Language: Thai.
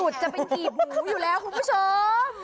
อุ่มสุดจะเป็นกี่หมูอยู่แล้วคุณผู้ชม